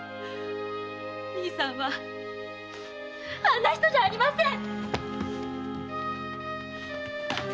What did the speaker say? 兄さんはあんな人じゃありません‼